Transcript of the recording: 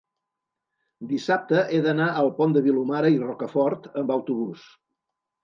dissabte he d'anar al Pont de Vilomara i Rocafort amb autobús.